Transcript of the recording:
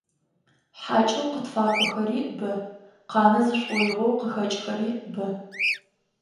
Хьакӏэу къытфакӏохэри бэ, къанэ зышӏоигъоу къыхэкӏхэри бэ.